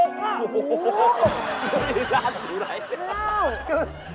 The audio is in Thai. ราคาอยู่ไหน